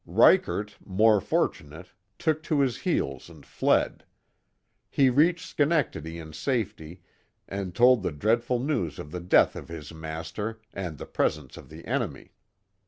Ryckert, more for tunate, took to his lieels and fled. He reached Schenectadv in safety and told the dreadful news of the death of his master, and the i)resence of the enemy.